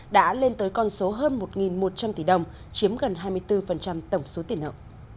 đã lên tới con số hơn một một trăm linh tỷ đồng chiếm gần hai mươi bốn tổng số tiền nợ